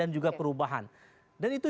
dan juga perubahan dan itu